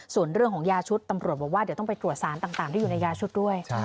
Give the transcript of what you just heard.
ส่วนเรื่องของยาชุดตำรวจบอกว่าเดี๋ยวต้องไปตรวจสารต่างที่อยู่ในยาชุดด้วย